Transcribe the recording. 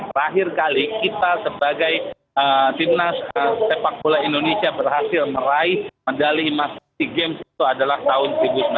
terakhir kali kita sebagai timnas sepak bola indonesia berhasil meraih medali emas sea games itu adalah tahun seribu sembilan ratus sembilan puluh